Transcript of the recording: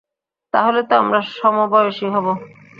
তাহলে তো আমরা সমবয়সী হবো!